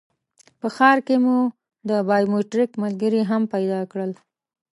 په ښار کې مو د بایومټریک ملګري هم پیدا کړل.